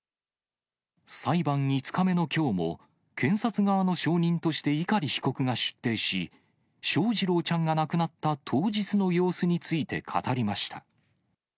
裁判５日目のきょうも、検察側の証人として碇被告が出廷し、翔士郎ちゃんが亡くなった当日の様子について語りました。